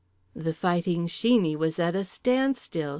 The Fighting Sheeney was at a standstill.